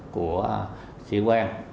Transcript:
của sĩ quan